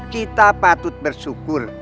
kita patut bersyukur